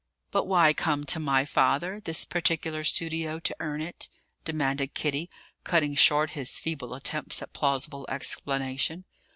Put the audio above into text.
"But why come to my father, this particular studio, to earn it?" demanded Kitty, cutting short his feeble attempts at plausible explanation.